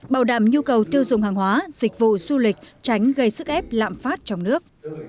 bảo đảm nhu cầu tiêu dùng hàng hóa dịch vụ du lịch tránh gây sức ép lạm phát trong nước